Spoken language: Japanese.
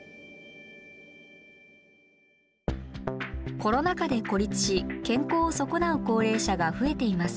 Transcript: コロナ禍で孤立し健康をそこなう高齢者が増えています。